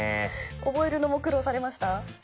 覚えるのも苦労されました？